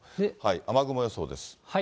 雨雲予想です。